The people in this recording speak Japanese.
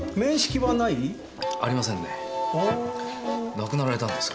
亡くなられたんですか？